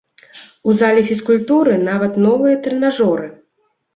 У зале фізкультуры нават новыя трэнажоры.